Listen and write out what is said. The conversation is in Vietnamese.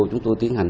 chúng tôi tiến hành